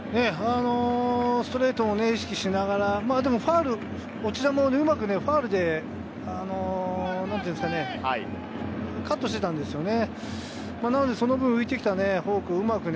ストレートを意識しながらでもファウル、落ち球をうまくファウルでカットしてたんですよね。